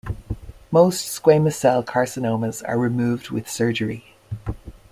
Most squamous cell carcinomas are removed with surgery.